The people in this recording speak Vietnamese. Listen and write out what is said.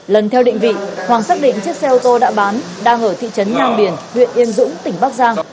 lần theo định vị hoàng xác định chiếc xe ô tô đã bán đang ở thị trấn nhang biển huyện yên dũng tỉnh bắc giang